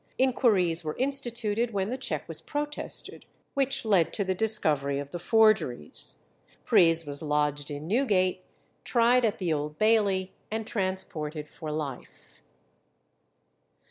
Inquiries were instituted when the cheque was protested, which led to the discovery of the forgeries. Pries was lodged in Newgate, tried at the Old Bailey, and transported for life.